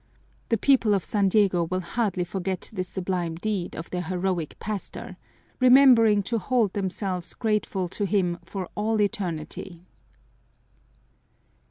The people of San Diego will hardly forget this sublime deed of their heroic Pastor, remembering to hold themselves grateful to him for all eternity!"